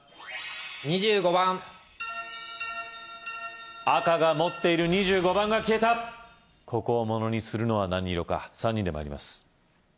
２５番赤が持っている２５番が消えたここをものにするのは何色か３人で参ります